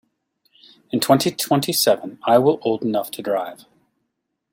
In twenty-twenty-seven I will old enough to drive.